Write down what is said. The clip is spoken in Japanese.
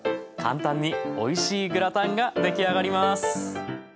簡単においしいグラタンが出来上がります。